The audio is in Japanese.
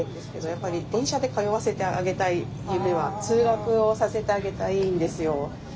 やっぱり電車で通わせてあげたい夢は通学をさせてあげたいんですよ。